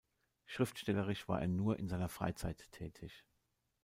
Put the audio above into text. Schriftstellerisch war er nur in seiner Freizeit tätig.